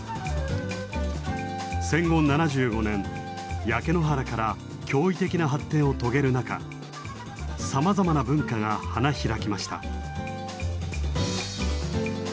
戦後７５年焼け野原から驚異的な発展を遂げる中さまざまな文化が花開きました。